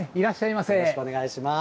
よろしくお願いします。